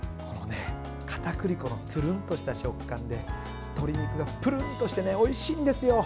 かたくり粉のつるんとした食感で鶏肉がプルンとしておいしいんですよ。